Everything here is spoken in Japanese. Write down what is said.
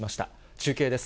中継です。